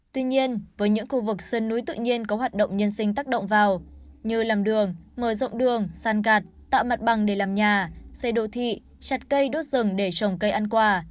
tuy nhiên với những khu vực sơn núi tự nhiên có hoạt động nhân sinh tác động vào như làm đường mở rộng đường san gạt tạo mặt bằng để làm nhà xây đô thị chặt cây đốt rừng để trồng cây ăn quả